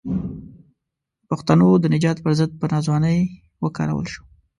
د پښتنو د نجات پر ضد په ناځوانۍ وکارول شو.